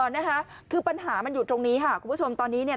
นะคะคือปัญหามันอยู่ตรงนี้ค่ะคุณผู้ชมตอนนี้เนี่ย